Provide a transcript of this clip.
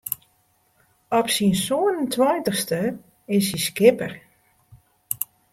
Op syn sân en tweintichste is hy skipper.